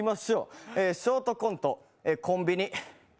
ショートコント、コンビニ。